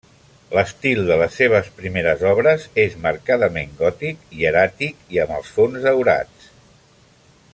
L'estil de les seves primeres obres és marcadament gòtic, hieràtic i amb els fons daurats.